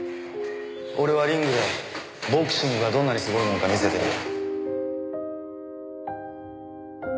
俺はリングでボクシングがどんなにすごいものか見せてやる。